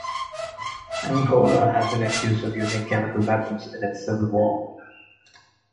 Angola has been accused of using chemical weapons in its civil war.